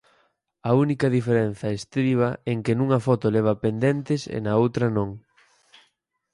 A única diferenza estriba en que nunha foto leva pendentes e na outra non.